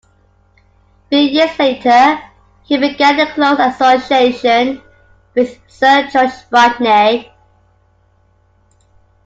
Three years later he began a close association with Sir George Rodney.